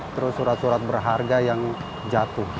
terus surat surat berharga yang jatuh